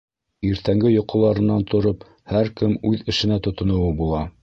Иртәнге йоҡоларынан тороп һәр кем үҙ эшенә тотоноуы була: